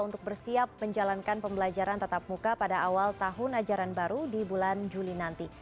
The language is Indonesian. untuk bersiap menjalankan pembelajaran tetap muka pada awal tahun ajaran baru di bulan juli nanti